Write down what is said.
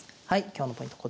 今日のポイント